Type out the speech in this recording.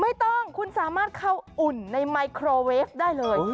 ไม่ต้องคุณสามารถเข้าอุ่นในไมโครเวฟได้เลย